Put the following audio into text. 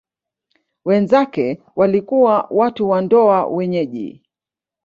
Wenzake walikuwa watu wa ndoa wenyeji.